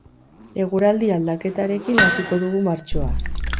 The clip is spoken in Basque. Eguraldi aldaketarekin hasiko dugu martxoa.